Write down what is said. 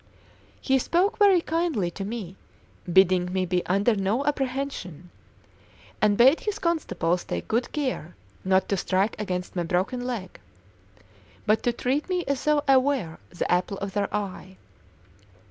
He spoke very kindly to me, bidding me be under no apprehension; and bade his constables take good care not to strike against my broken leg, but to treat me as though I were the apple of their eye.